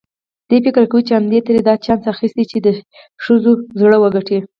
دی فکر کوي چې همدې ترې دا چانس اخیستی چې د ښځو زړه وګټي.